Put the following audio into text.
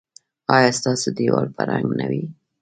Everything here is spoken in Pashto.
ایا ستاسو دیوال به رنګ نه وي؟